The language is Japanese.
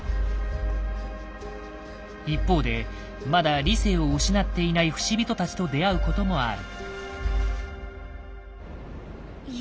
一方でまだ理性を失っていない不死人たちと出会うこともある。